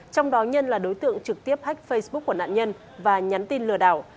trong đó nhân là đối tượng trực tiếp hách facebook của nạn nhân và nhắn tin lừa đảo